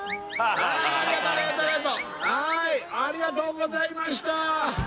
はーいありがとうございました！